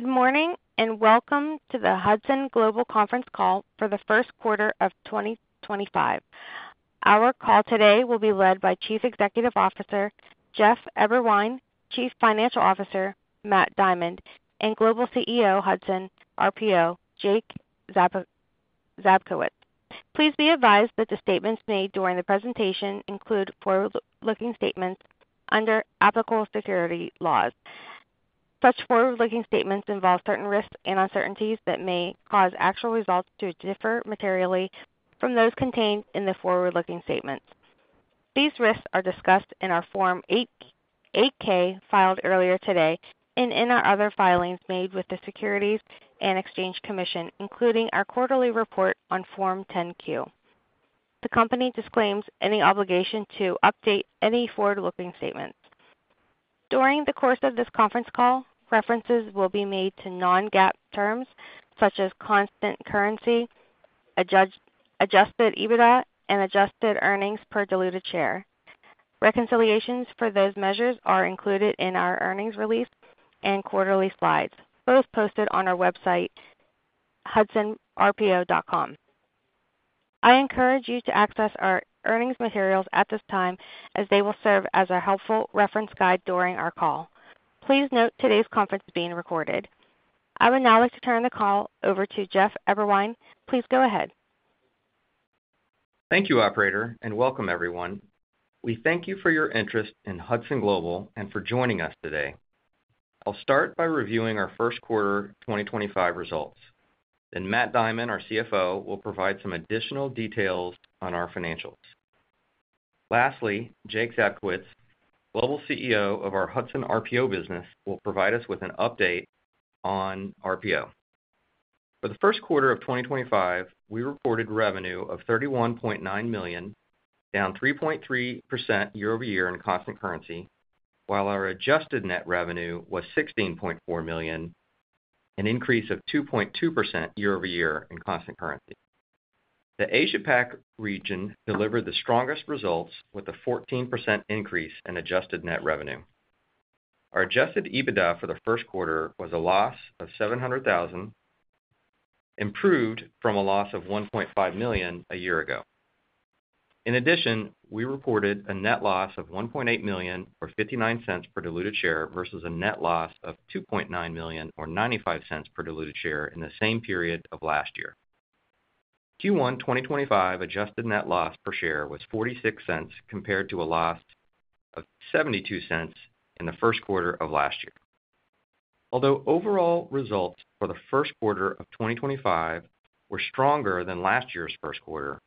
Good morning and welcome to the Hudson Global conference call for the first quarter of 2025. Our call today will be led by Chief Executive Officer Jeff Eberwein, Chief Financial Officer Matt Diamond, and Global CEO Hudson RPO Jake Zabkowicz. Please be advised that the statements made during the presentation include forward-looking statements under applicable securities laws. Such forward-looking statements involve certain risks and uncertainties that may cause actual results to differ materially from those contained in the forward-looking statements. These risks are discussed in our Form 8-K filed earlier today and in our other filings made with the Securities and Exchange Commission, including our quarterly report on Form 10-Q. The company disclaims any obligation to update any forward-looking statements. During the course of this conference call, references will be made to non-GAAP terms such as constant currency, adjusted EBITDA, and adjusted earnings per diluted share. Reconciliations for those measures are included in our earnings release and quarterly slides, both posted on our website, hudsonrpo.com. I encourage you to access our earnings materials at this time as they will serve as a helpful reference guide during our call. Please note today's conference is being recorded. I would now like to turn the call over to Jeff Eberwein. Please go ahead. Thank you, Operator, and welcome, everyone. We thank you for your interest in Hudson Global and for joining us today. I'll start by reviewing our first quarter 2025 results. Then Matt Diamond, our CFO, will provide some additional details on our financials. Lastly, Jake Zabkowicz, Global CEO of our RPO business, will provide us with an update on RPO. For the first quarter of 2025, we reported revenue of $31.9 million, down 3.3% year-over-year in constant currency, while our adjusted net revenue was $16.4 million, an increase of 2.2% year-over-year in constant currency. The Asia-Pac region delivered the strongest results with a 14% increase in adjusted net revenue. Our adjusted EBITDA for the first quarter was a loss of $700,000, improved from a loss of $1.5 million a year ago. In addition, we reported a net loss of $1.8 million, or $0.59 per diluted share, versus a net loss of $2.9 million, or $0.95 per diluted share in the same period of last year. Q1 2025 adjusted net loss per share was $0.46 compared to a loss of $0.72 in the first quarter of last year. Although overall results for the first quarter of 2025 were stronger than last year's first quarter,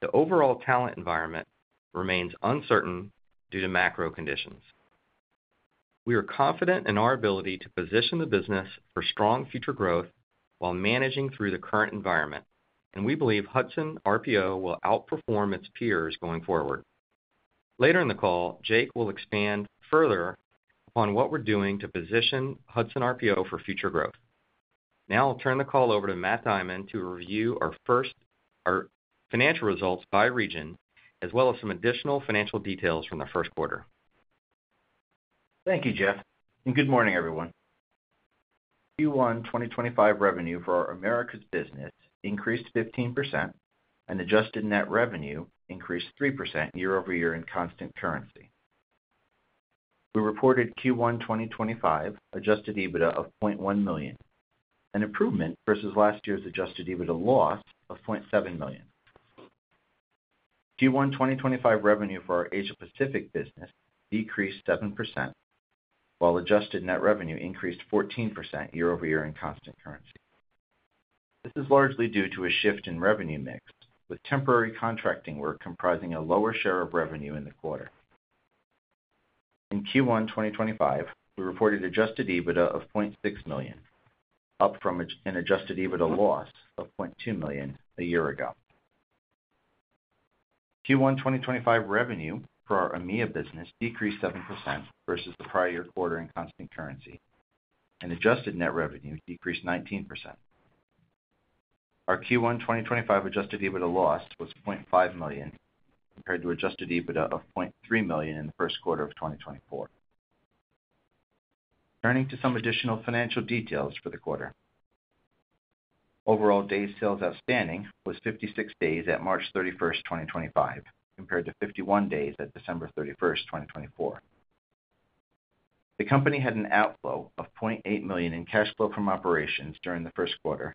the overall talent environment remains uncertain due to macro conditions. We are confident in our ability to position the business for strong future growth while managing through the current environment, and we believe Hudson RPO will outperform its peers going forward. Later in the call, Jake will expand further upon what we're doing to position Hudson RPO for future growth. Now I'll turn the call over to Matt Diamond to review our first financial results by region, as well as some additional financial details from the first quarter. Thank you, Jeff, and good morning, everyone. Q1 2025 revenue for our Americas business increased 15%, and adjusted net revenue increased 3% year-over-year in constant currency. We reported Q1 2025 adjusted EBITDA of $100,000, an improvement versus last year's adjusted EBITDA loss of $700,000. Q1 2025 revenue for our Asia-Pacific business decreased 7%, while adjusted net revenue increased 14% year-over-year in constant currency. This is largely due to a shift in revenue mix, with temporary contracting work comprising a lower share of revenue in the quarter. In Q1 2025, we reported adjusted EBITDA of $600,000, up from an adjusted EBITDA loss of $200,000 a year ago. Q1 2025 revenue for our EMEA business decreased 7% versus the prior quarter in constant currency, and adjusted net revenue decreased 19%. Our Q1 2025 adjusted EBITDA loss was $500,000 compared to adjusted EBITDA of $300,000 in the first quarter of 2024. Turning to some additional financial details for the quarter, overall day sales outstanding was 56 days at March 31st, 2025, compared to 51 days at December 31st, 2024. The company had an outflow of $800,000 in cash flow from operations during the first quarter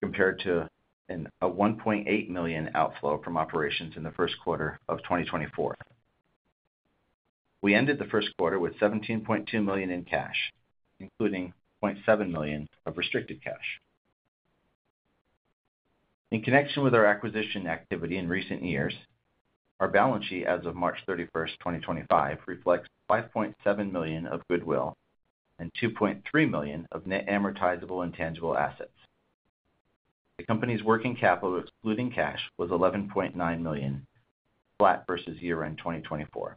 compared to a $1.8 million outflow from operations in the first quarter of 2024. We ended the first quarter with $17.2 million in cash, including $700,000 of restricted cash. In connection with our acquisition activity in recent years, our balance sheet as of March 31st, 2025, reflects $5.7 million of goodwill and $2.3 million of net amortizable intangible assets. The company's working capital, excluding cash, was $11.9 million, flat versus year-end 2024.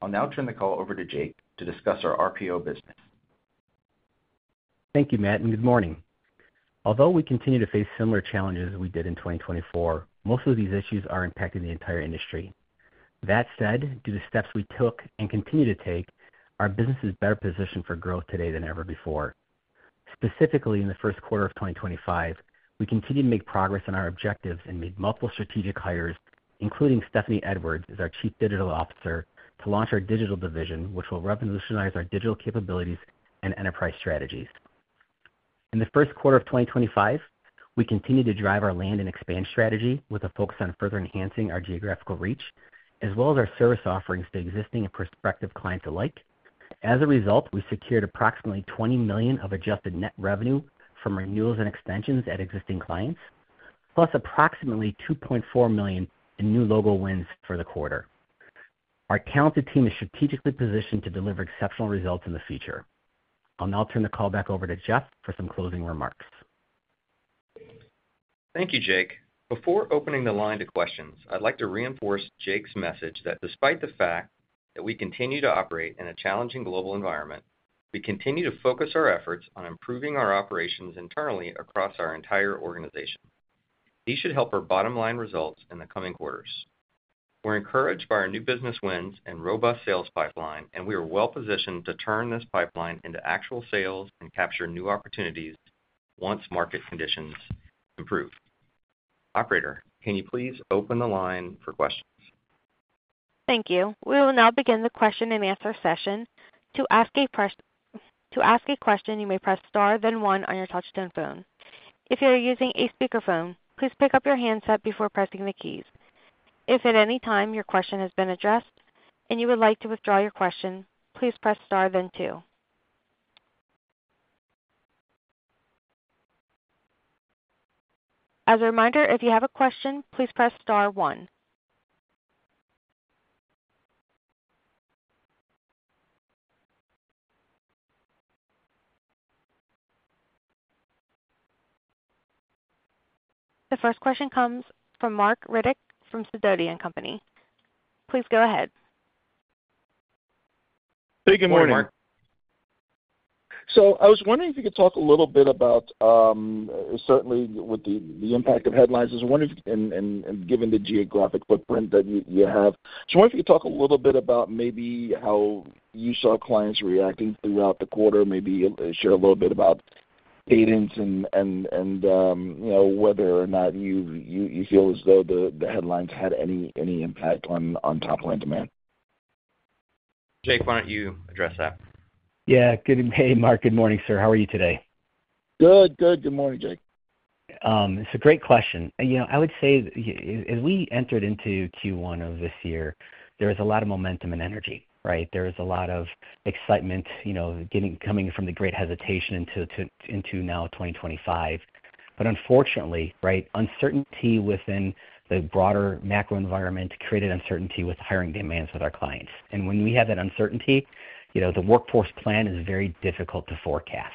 I'll now turn the call over to Jake to discuss our RPO business. Thank you, Matt, and good morning. Although we continue to face similar challenges as we did in 2024, most of these issues are impacting the entire industry. That said, due to steps we took and continue to take, our business is better positioned for growth today than ever before. Specifically, in the first quarter of 2025, we continue to make progress on our objectives and made multiple strategic hires, including Stephanie Edwards as our Chief Digital Officer, to launch our digital division, which will revolutionize our digital capabilities and enterprise strategies. In the first quarter of 2025, we continue to drive our land and expand strategy with a focus on further enhancing our geographical reach, as well as our service offerings to existing and prospective clients alike. As a result, we secured approximately $20 million of adjusted net revenue from renewals and extensions at existing clients, plus approximately $2.4 million in new logo wins for the quarter. Our talented team is strategically positioned to deliver exceptional results in the future. I'll now turn the call back over to Jeff for some closing remarks. Thank you, Jake. Before opening the line to questions, I'd like to reinforce Jake's message that despite the fact that we continue to operate in a challenging global environment, we continue to focus our efforts on improving our operations internally across our entire organization. These should help our bottom-line results in the coming quarters. We're encouraged by our new business wins and robust sales pipeline, and we are well-positioned to turn this pipeline into actual sales and capture new opportunities once market conditions improve. Operator, can you please open the line for questions? Thank you. We will now begin the question-and-answer session. To ask a question, you may press star, then one on your touch-tone phone. If you're using a speakerphone, please pick up your handset before pressing the keys. If at any time your question has been addressed and you would like to withdraw your question, please press star, then two. As a reminder, if you have a question, please press star, one. The first question comes from Marc Riddick from Sidoti & Company. Please go ahead. Hey, good morning. Hey, Mark. I was wondering if you could talk a little bit about, certainly with the impact of headlines. I was wondering, given the geographic footprint that you have, I just wonder if you could talk a little bit about maybe how you saw clients reacting throughout the quarter, maybe share a little bit about cadence and whether or not you feel as though the headlines had any impact on top-line demand. Jake, why don't you address that? Yeah. Good. Hey, Mark. Good morning, sir. How are you today? Good, good. Good morning, Jake. It's a great question. I would say as we entered into Q1 of this year, there was a lot of momentum and energy, right? There was a lot of excitement coming from the great hesitation into now 2025. Unfortunately, uncertainty within the broader macro environment created uncertainty with hiring demands with our clients. When we have that uncertainty, the workforce plan is very difficult to forecast.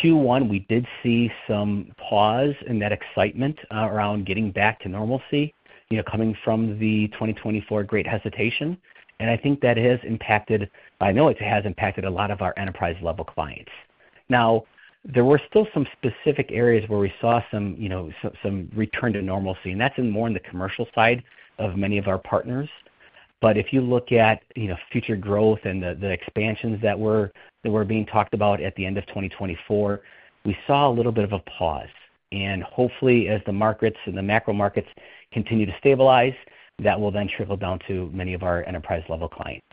Q1, we did see some pause in that excitement around getting back to normalcy coming from the 2024 great hesitation. I think that has impacted, I know it has impacted a lot of our enterprise-level clients. There were still some specific areas where we saw some return to normalcy, and that's more in the commercial side of many of our partners. If you look at future growth and the expansions that were being talked about at the end of 2024, we saw a little bit of a pause. Hopefully, as the markets and the macro markets continue to stabilize, that will then trickle down to many of our enterprise-level clients.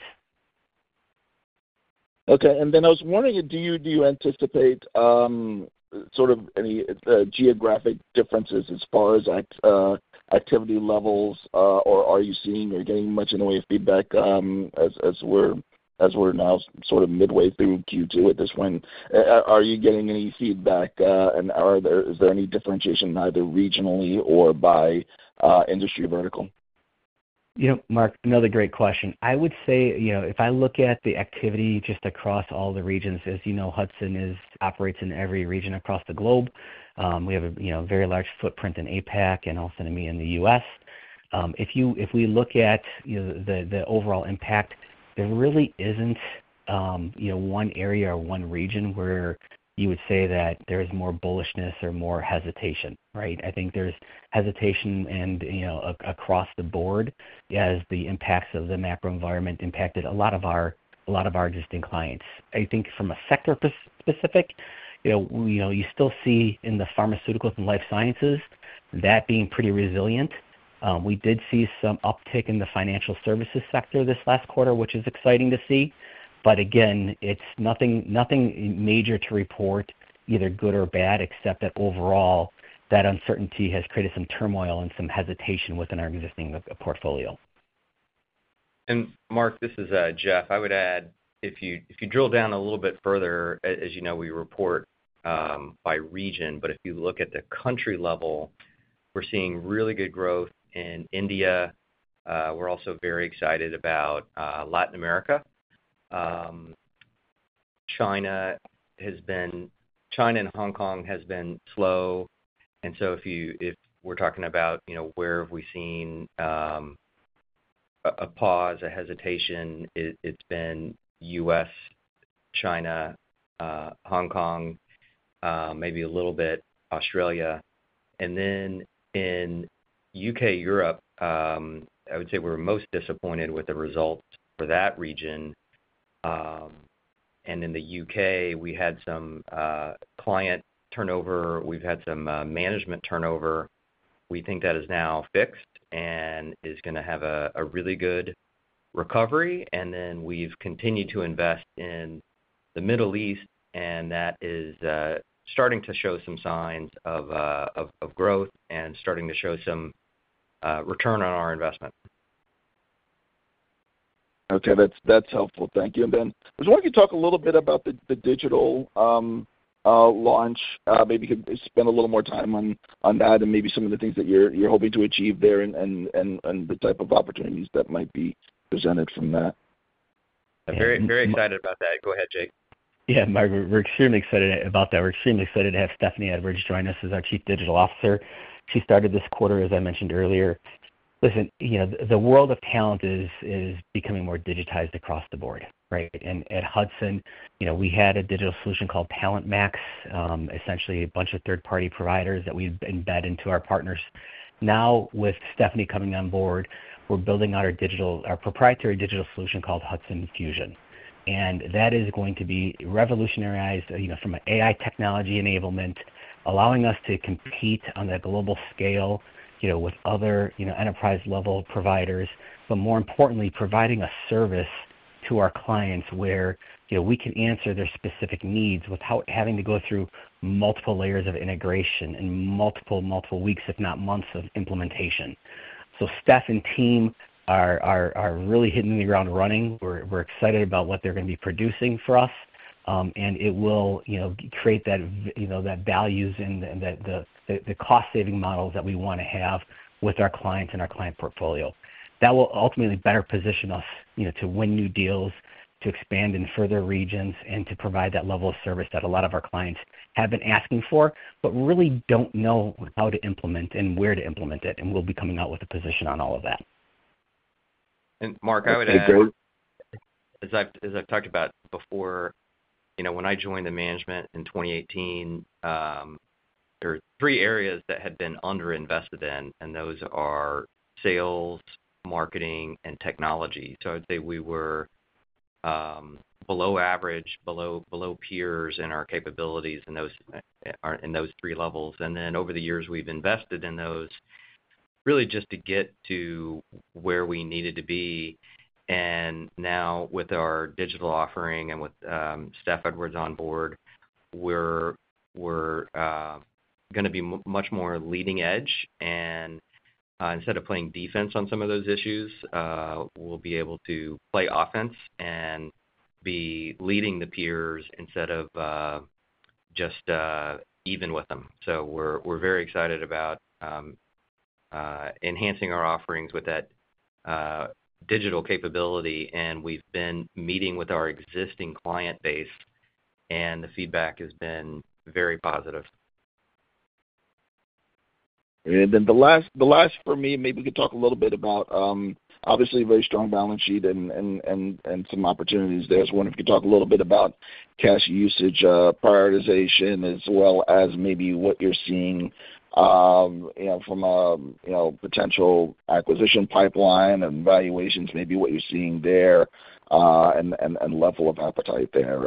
Okay. I was wondering, do you anticipate sort of any geographic differences as far as activity levels, or are you seeing or getting much in the way of feedback as we're now sort of midway through Q2 at this point? Are you getting any feedback, and is there any differentiation either regionally or by industry vertical? Yep, Marc, another great question. I would say if I look at the activity just across all the regions, as you know, Hudson operates in every region across the globe. We have a very large footprint in APAC and also in the U.S. If we look at the overall impact, there really isn't one area or one region where you would say that there is more bullishness or more hesitation, right? I think there's hesitation across the board as the impacts of the macro environment impacted a lot of our existing clients. I think from a sector-specific, you still see in the pharmaceuticals and life sciences that being pretty resilient. We did see some uptick in the financial services sector this last quarter, which is exciting to see. Again, it's nothing major to report, either good or bad, except that overall, that uncertainty has created some turmoil and some hesitation within our existing portfolio. Marc, this is Jeff. I would add, if you drill down a little bit further, as you know, we report by region, but if you look at the country level, we're seeing really good growth in India. We're also very excited about Latin America. China and Hong Kong have been slow. If we're talking about where have we seen a pause, a hesitation, it's been U.S., China, Hong Kong, maybe a little bit Australia. In the U.K., Europe, I would say we're most disappointed with the results for that region. In the U.K., we had some client turnover. We've had some management turnover. We think that is now fixed and is going to have a really good recovery. We've continued to invest in the Middle East, and that is starting to show some signs of growth and starting to show some return on our investment. Okay. That's helpful. Thank you. I was wondering if you could talk a little bit about the digital launch, maybe spend a little more time on that and maybe some of the things that you're hoping to achieve there and the type of opportunities that might be presented from that. I'm very excited about that. Go ahead, Jake. Yeah, Marc, we're extremely excited about that. We're extremely excited to have Stephanie Edwards join us as our Chief Digital Officer. She started this quarter, as I mentioned earlier. Listen, the world of talent is becoming more digitized across the board, right? And at Hudson, we had a digital solution called TalentMax, essentially a bunch of third-party providers that we embed into our partners. Now, with Stephanie coming on board, we're building out our proprietary digital solution called Hudson Fusion. And that is going to be revolutionized from an AI technology enablement, allowing us to compete on that global scale with other enterprise-level providers, but more importantly, providing a service to our clients where we can answer their specific needs without having to go through multiple layers of integration and multiple, multiple weeks, if not months, of implementation. Steph and team are really hitting the ground running. We're excited about what they're going to be producing for us, and it will create that value and the cost-saving models that we want to have with our clients and our client portfolio. That will ultimately better position us to win new deals, to expand in further regions, and to provide that level of service that a lot of our clients have been asking for, but really do not know how to implement and where to implement it. We will be coming out with a position on all of that. Mark, I would add, as I've talked about before, when I joined the management in 2018, there were three areas that had been underinvested in, and those are sales, marketing, and technology. I'd say we were below average, below peers in our capabilities in those three levels. Over the years, we've invested in those really just to get to where we needed to be. Now, with our digital offering and with Steph Edwards on board, we're going to be much more leading edge. Instead of playing defense on some of those issues, we'll be able to play offense and be leading the peers instead of just even with them. We're very excited about enhancing our offerings with that digital capability. We've been meeting with our existing client base, and the feedback has been very positive. The last for me, maybe we could talk a little bit about, obviously, a very strong balance sheet and some opportunities there. I just wonder if you could talk a little bit about cash usage prioritization, as well as maybe what you're seeing from a potential acquisition pipeline and valuations, maybe what you're seeing there and level of appetite there,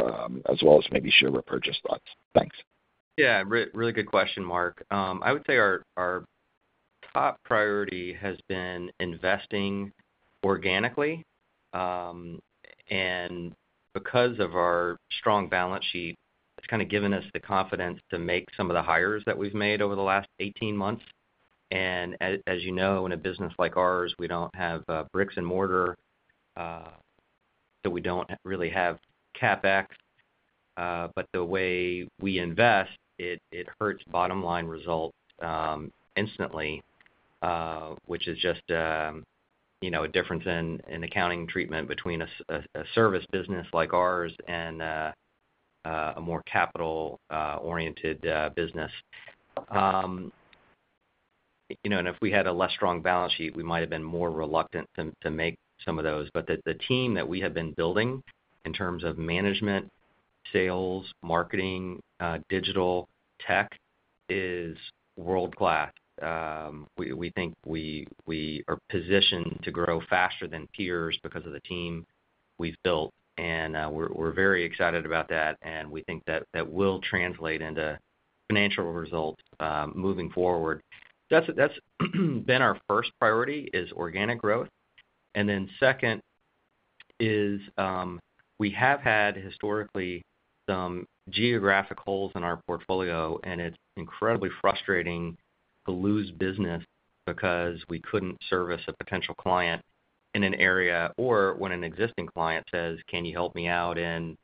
as well as maybe share repurchase thoughts. Thanks. Yeah, really good question, Marc. I would say our top priority has been investing organically. Because of our strong balance sheet, it's kind of given us the confidence to make some of the hires that we've made over the last 18 months. As you know, in a business like ours, we don't have bricks and mortar, so we don't really have CapEx. The way we invest, it hurts bottom-line results instantly, which is just a difference in accounting treatment between a service business like ours and a more capital-oriented business. If we had a less strong balance sheet, we might have been more reluctant to make some of those. The team that we have been building in terms of management, sales, marketing, digital, tech is world-class. We think we are positioned to grow faster than peers because of the team we've built. We are very excited about that. We think that that will translate into financial results moving forward. That has been our first priority, organic growth. Second, we have had historically some geographic holes in our portfolio, and it is incredibly frustrating to lose business because we could not service a potential client in an area or when an existing client says, "Can you help me out in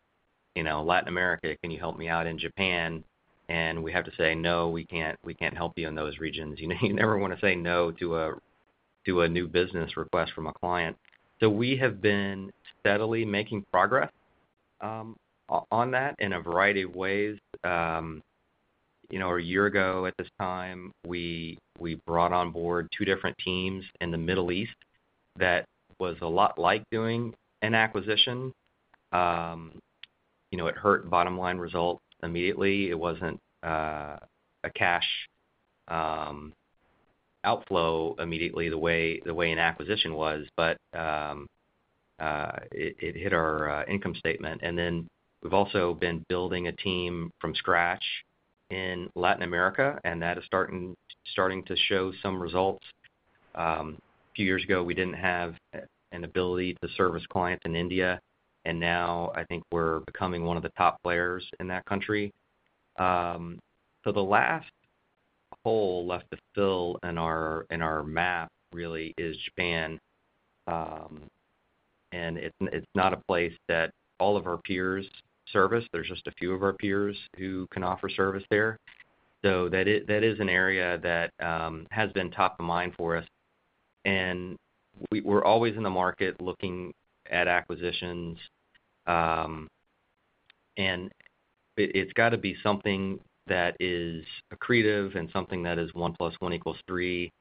Latin America? Can you help me out in Japan?" and we have to say, "No, we cannot help you in those regions." You never want to say no to a new business request from a client. We have been steadily making progress on that in a variety of ways. A year ago at this time, we brought on board two different teams in the Middle East. That was a lot like doing an acquisition. It hurt bottom-line results immediately. It wasn't a cash outflow immediately the way an acquisition was, but it hit our income statement. We have also been building a team from scratch in Latin America, and that is starting to show some results. A few years ago, we didn't have an ability to service clients in India. Now, I think we're becoming one of the top players in that country. The last hole left to fill in our map really is Japan. It is not a place that all of our peers service. There are just a few of our peers who can offer service there. That is an area that has been top of mind for us. We are always in the market looking at acquisitions. It has to be something that is accretive and something that is one plus one equals three.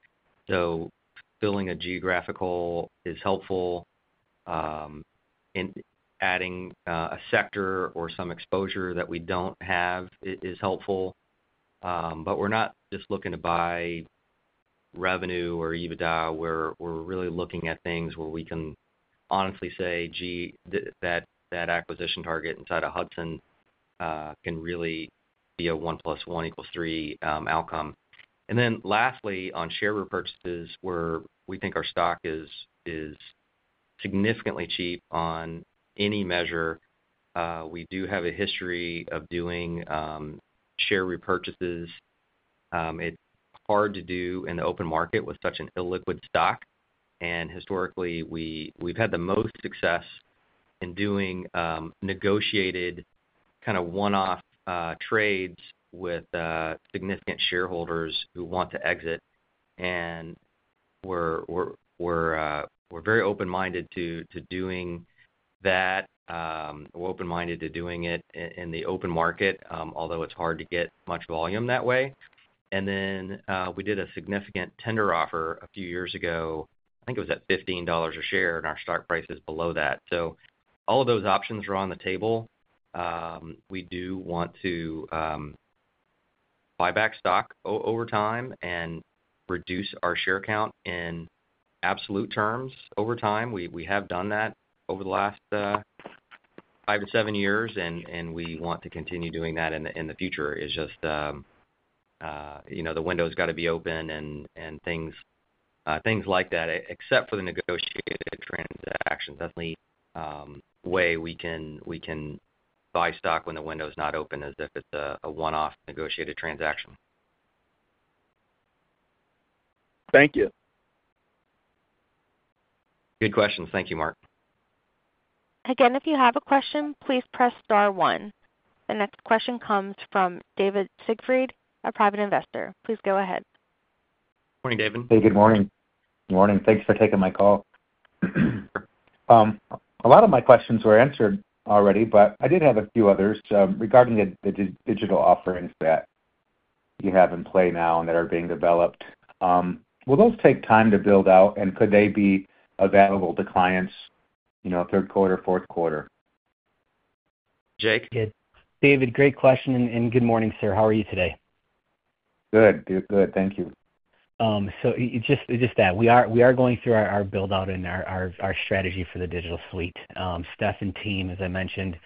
Filling a geographical is helpful. Adding a sector or some exposure that we do not have is helpful. We are not just looking to buy revenue or EBITDA. We are really looking at things where we can honestly say, "Gee, that acquisition target inside of Hudson can really be a one plus one equals three outcome." Lastly, on share repurchases, where we think our stock is significantly cheap on any measure, we do have a history of doing share repurchases. It is hard to do in the open market with such an illiquid stock. Historically, we have had the most success in doing negotiated kind of one-off trades with significant shareholders who want to exit. We are very open-minded to doing that. We are open-minded to doing it in the open market, although it is hard to get much volume that way. We did a significant tender offer a few years ago. I think it was at $15 a share, and our stock price is below that. All of those options are on the table. We do want to buy back stock over time and reduce our share count in absolute terms over time. We have done that over the last five to seven years, and we want to continue doing that in the future. It's just the window's got to be open and things like that, except for the negotiated transactions. That's the only way we can buy stock when the window's not open is if it's a one-off negotiated transaction. Thank you. Good questions. Thank you, Mark. Again, if you have a question, please press star one. The next question comes from David Siegfried, a private investor. Please go ahead. Morning, David. Hey, good morning. Morning. Thanks for taking my call. A lot of my questions were answered already, but I did have a few others regarding the digital offerings that you have in play now and that are being developed. Will those take time to build out, and could they be available to clients third quarter, fourth quarter? Jake? David, great question. Good morning, sir. How are you today? Good. Good. Thank you. We are going through our build-out and our strategy for the digital suite. Steph and team, as I mentioned,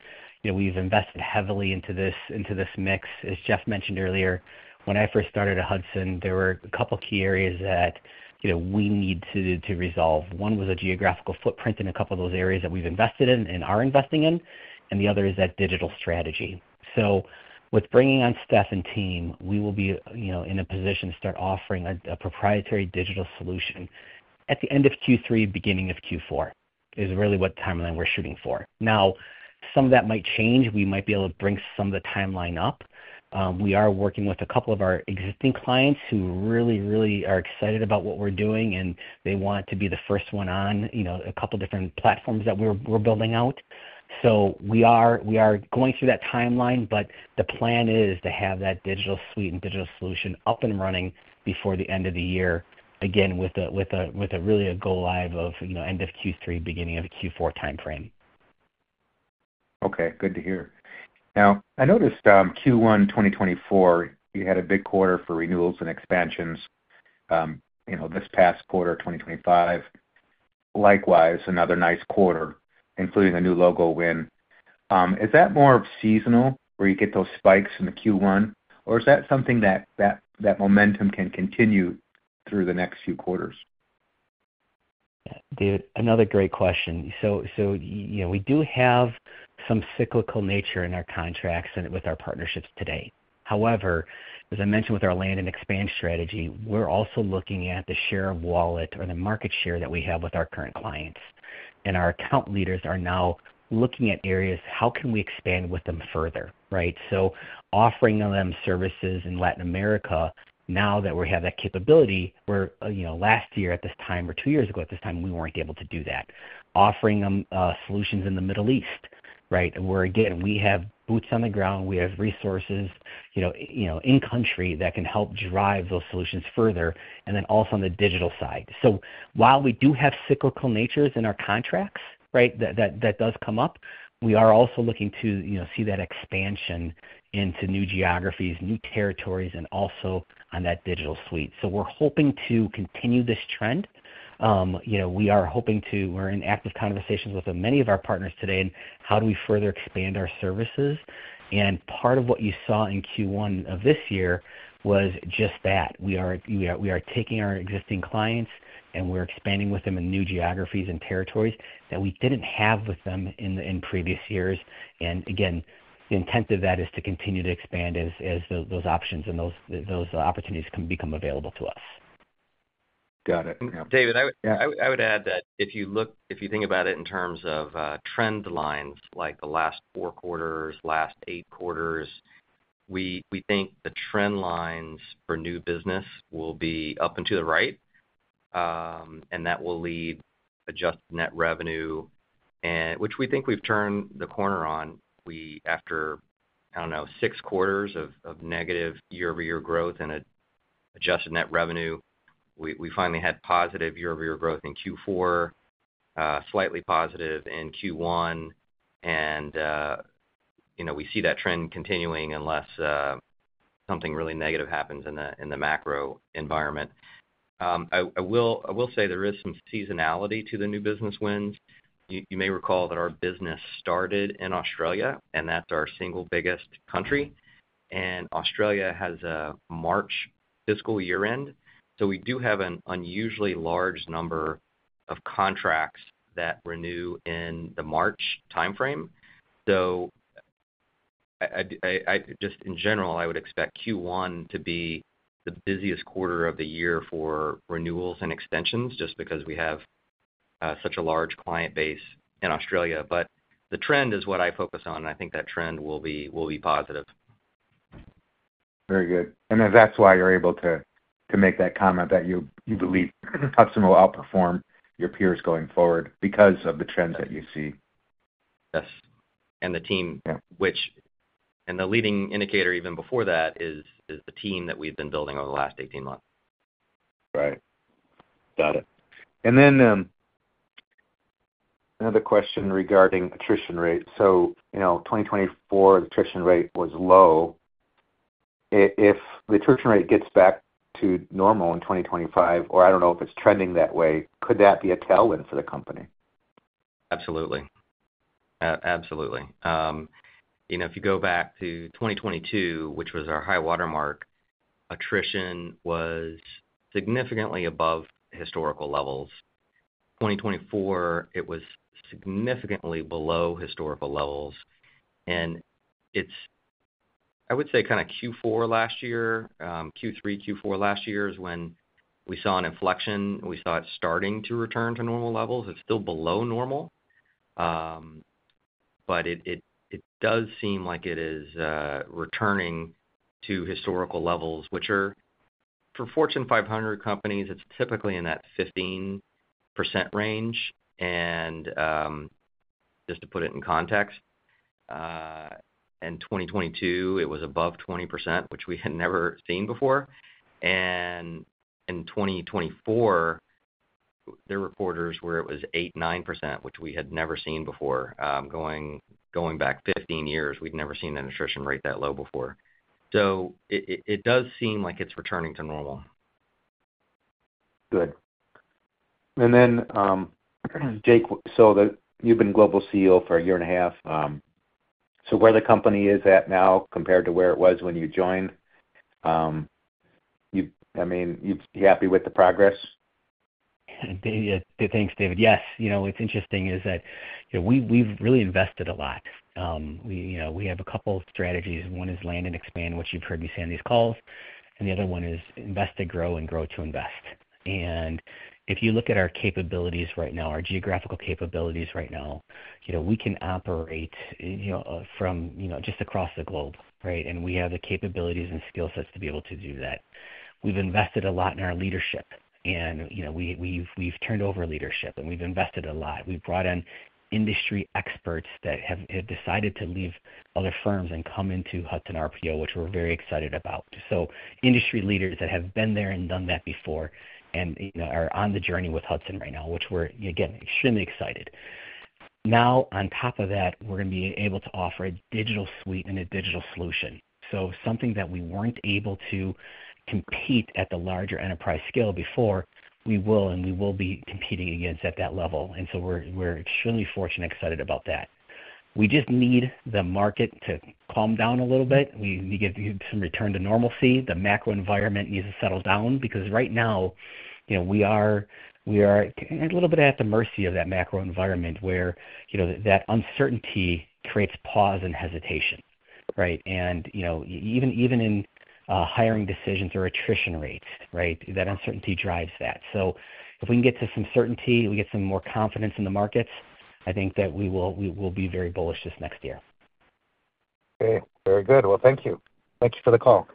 we've invested heavily into this mix. As Jeff mentioned earlier, when I first started at Hudson, there were a couple of key areas that we need to resolve. One was a geographical footprint in a couple of those areas that we've invested in and are investing in. The other is that digital strategy. With bringing on Steph and team, we will be in a position to start offering a proprietary digital solution at the end of Q3, beginning of Q4 is really what timeline we're shooting for. Some of that might change. We might be able to bring some of the timeline up. We are working with a couple of our existing clients who really, really are excited about what we're doing, and they want to be the first one on a couple of different platforms that we're building out. We are going through that timeline, but the plan is to have that digital suite and digital solution up and running before the end of the year, again, with really a goal live of end of Q3, beginning of Q4 timeframe. Okay. Good to hear. Now, I noticed Q1 2024, you had a big quarter for renewals and expansions this past quarter. 2025, likewise, another nice quarter, including a new logo win. Is that more seasonal where you get those spikes in the Q1, or is that something that momentum can continue through the next few quarters? David, another great question. We do have some cyclical nature in our contracts and with our partnerships today. However, as I mentioned with our land and expand strategy, we are also looking at the share of wallet or the market share that we have with our current clients. Our account leaders are now looking at areas, how can we expand with them further, right? Offering them services in Latin America, now that we have that capability, where last year at this time or two years ago at this time, we were not able to do that. Offering them solutions in the Middle East, right? Where again, we have boots on the ground. We have resources in country that can help drive those solutions further, and then also on the digital side. While we do have cyclical natures in our contracts, right, that does come up, we are also looking to see that expansion into new geographies, new territories, and also on that digital suite. We are hoping to continue this trend. We are hoping to—we are in active conversations with many of our partners today on how do we further expand our services. Part of what you saw in Q1 of this year was just that. We are taking our existing clients, and we are expanding with them in new geographies and territories that we did not have with them in previous years. Again, the intent of that is to continue to expand as those options and those opportunities become available to us. Got it. David, I would add that if you think about it in terms of trend lines, like the last four quarters, last eight quarters, we think the trend lines for new business will be up and to the right. That will lead adjusted net revenue, which we think we've turned the corner on. After, I don't know, six quarters of negative year-over-year growth in adjusted net revenue, we finally had positive year-over-year growth in Q4, slightly positive in Q1. We see that trend continuing unless something really negative happens in the macro environment. I will say there is some seasonality to the new business wins. You may recall that our business started in Australia, and that's our single biggest country. Australia has a March fiscal year-end. We do have an unusually large number of contracts that renew in the March timeframe. Just in general, I would expect Q1 to be the busiest quarter of the year for renewals and extensions just because we have such a large client base in Australia. The trend is what I focus on, and I think that trend will be positive. Very good. That is why you're able to make that comment that you believe Hudson will outperform your peers going forward because of the trends that you see. Yes. The team, which—and the leading indicator even before that is the team that we've been building over the last 18 months. Right. Got it. Another question regarding attrition rate. In 2024, the attrition rate was low. If the attrition rate gets back to normal in 2025, or I do not know if it is trending that way, could that be a tailwind for the company? Absolutely. Absolutely. If you go back to 2022, which was our high watermark, attrition was significantly above historical levels. 2024, it was significantly below historical levels. I would say, kind of Q4 last year, Q3, Q4 last year is when we saw an inflection. We saw it starting to return to normal levels. It is still below normal, but it does seem like it is returning to historical levels, which are for Fortune 500 companies, it is typically in that 15% range. Just to put it in context, in 2022, it was above 20%, which we had never seen before. In 2024, there were quarters where it was 8-9%, which we had never seen before. Going back 15 years, we have never seen an attrition rate that low before. It does seem like it is returning to normal. Good. Jake, so you've been global CEO for a year and a half. Where the company is at now compared to where it was when you joined? I mean, you're happy with the progress? Thanks, David. Yes. What's interesting is that we've really invested a lot. We have a couple of strategies. One is land and expand, which you've heard me say on these calls. The other one is invest to grow and grow to invest. If you look at our capabilities right now, our geographical capabilities right now, we can operate from just across the globe, right? We have the capabilities and skill sets to be able to do that. We've invested a lot in our leadership, and we've turned over leadership, and we've invested a lot. We've brought in industry experts that have decided to leave other firms and come into Hudson RPO, which we're very excited about. Industry leaders that have been there and done that before and are on the journey with Hudson right now, which we're, again, extremely excited. Now, on top of that, we're going to be able to offer a digital suite and a digital solution. Something that we weren't able to compete at the larger enterprise scale before, we will, and we will be competing against at that level. We are extremely fortunate and excited about that. We just need the market to calm down a little bit. We need to get some return to normalcy. The macro environment needs to settle down because right now, we are a little bit at the mercy of that macro environment where that uncertainty creates pause and hesitation, right? Even in hiring decisions or attrition rates, that uncertainty drives that. If we can get to some certainty, we get some more confidence in the markets, I think that we will be very bullish this next year. Okay. Very good. Thank you. Thank you for the call.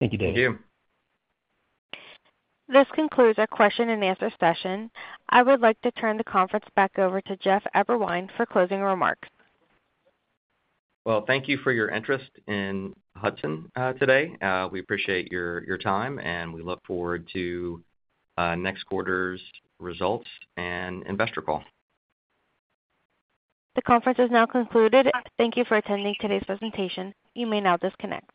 Thank you, David. Thank you. This concludes our question-and-answer session. I would like to turn the conference back over to Jeff Eberwein for closing remarks. Thank you for your interest in Hudson today. We appreciate your time, and we look forward to next quarter's results and investor call. The conference is now concluded. Thank you for attending today's presentation. You may now disconnect.